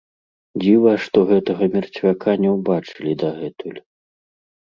Дзіва, што гэтага мерцвяка не ўбачылі дагэтуль.